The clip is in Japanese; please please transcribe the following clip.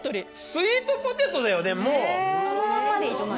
スイートポテトだよね、もう。